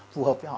phù hợp với họ